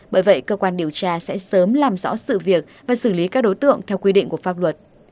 bởi vậy cơ quan điều tra sẽ sớm làm rõ sự việc và xử lý các đối tượng theo quy định của pháp luật